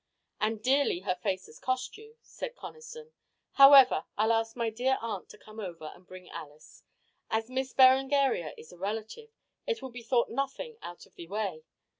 "And dearly her face has cost you," said Conniston. "However, I'll ask my dear aunt to come over, and bring Alice. As Miss Berengaria is a relative, it will be thought nothing out of the way.